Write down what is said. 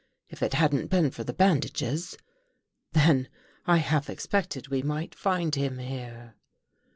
If It hadn't been for the ban dages. Then, I half expected we might find him here."